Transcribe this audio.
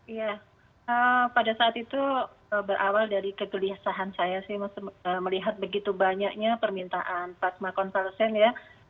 iya pada saat itu berawal dari kegelisahan saya sih melihat begitu banyaknya permintaan plasma konvalesen ya